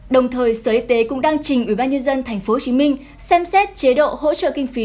đồng thời sở y tế cũng đang trình ubnd tp hcm xem xét chế độ hỗ trợ kinh phí